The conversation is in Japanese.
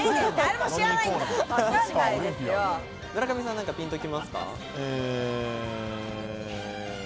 村上さん、なんかピンときまえ。